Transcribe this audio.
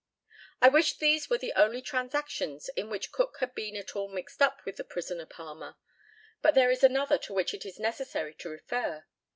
I wish these were the only transactions in which Cook had been at all mixed up with the prisoner Palmer; but there is another to which it is necessary to refer.